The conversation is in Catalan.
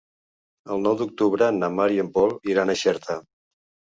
El nou d'octubre na Mar i en Pol iran a Xerta.